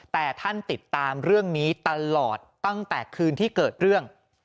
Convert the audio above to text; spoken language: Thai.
แต่ท่านติดตามเรื่องนี้ตลอดตั้งแต่คืนที่เกิดเรื่อง